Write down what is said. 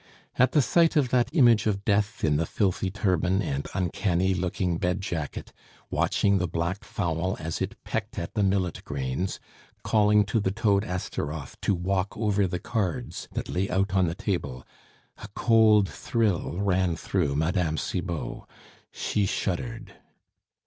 At the sight of that image of Death in the filthy turban and uncanny looking bed jacket, watching the black fowl as it pecked at the millet grains, calling to the toad Astaroth to walk over the cards that lay out on the table, a cold thrill ran through Mme. Cibot; she shuddered.